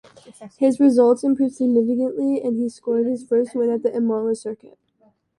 His results improved significantly and he scored his first win at the Imola Circuit.